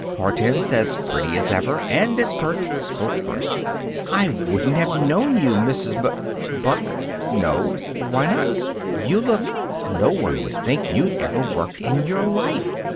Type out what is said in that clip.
Hortense, as pretty as ever and as pert, spoke first. "I wouldn't have known you, Mrs. Mc Buck!" "No? Why not?" "You look no one would think you'd ever worked in your life.